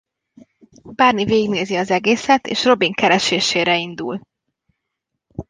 Barney végignézi az egészet és Robin keresésére indul.